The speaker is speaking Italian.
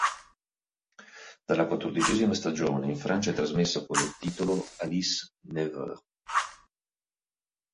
Dalla quattordicesima stagione in Francia è trasmessa con il titolo "Alice Nevers".